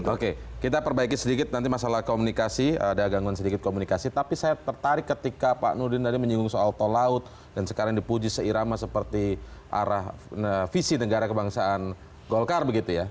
oke kita perbaiki sedikit nanti masalah komunikasi ada gangguan sedikit komunikasi tapi saya tertarik ketika pak nurdin tadi menyinggung soal tol laut dan sekarang dipuji seirama seperti arah visi negara kebangsaan golkar begitu ya